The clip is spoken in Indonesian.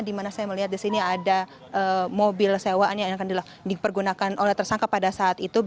di mana saya melihat di sini ada mobil sewaan yang akan dipergunakan oleh tersangka pada saat itu